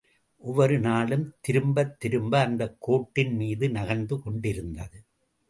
ஒவ்வொரு நாளும் திரும்பத் திரும்ப அந்தக் கோட்டின் மீது நகர்ந்து கொண்டிருந்தது.